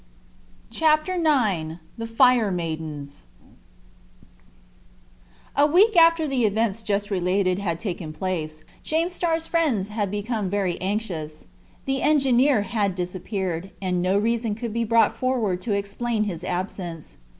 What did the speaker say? CHAPTER IX. THE FIRE MAIDENS A week after the events just related had taken place, James Starr's friends had become very anxious. The engineer had disappeared, and no reason could be brought forward to explain his absence.